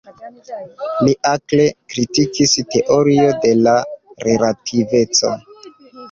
Li akre kritikis teorio de la relativeco.